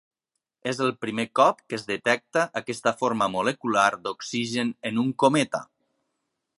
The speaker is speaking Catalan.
És el primer cop que es detecta aquesta forma molecular d'oxigen en un cometa.